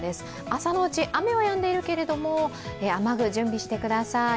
朝のうち雨はやんでいるけれど、雨具、準備してください。